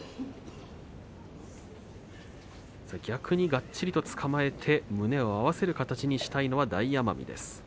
逆にがっちりとつかまえて胸を合わせる形にしたいのは大奄美です。